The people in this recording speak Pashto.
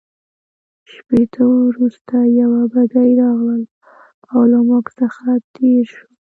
شېبه وروسته یوه بګۍ راغلل او له موږ څخه تېره شول.